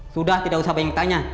sudah tidak usah bayangin tanya